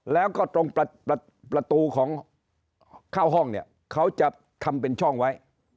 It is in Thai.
แล้วก็ตรงประตูของเข้าห้องเนี่ยเขาจะทำเป็นช่องไว้